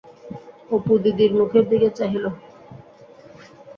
অপু দিদির মুখের দিকে চাহিল।